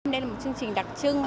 đây là một chương trình đặc trưng